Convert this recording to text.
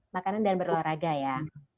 makanan dan berolahraga ya